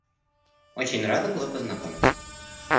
Очень рада была познакомиться.